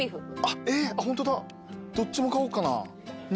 ホントだどっちも買おうかな。